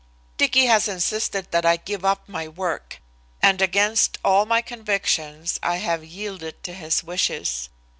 Dicky has insisted that I give up my work, and against all my convictions I have yielded to his wishes.